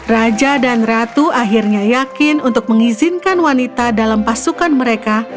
raja dan ratu akhirnya yakin untuk mengizinkan wanita dalam pasukan mereka